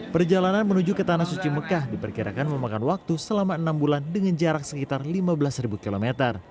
perjalanan menuju ke tanah suci mekah diperkirakan memakan waktu selama enam bulan dengan jarak sekitar lima belas km